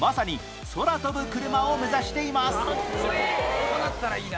こうなったらいいな。